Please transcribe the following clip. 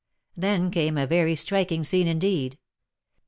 Then came a very striking scene indeed.